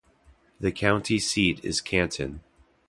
The county seat is Canton.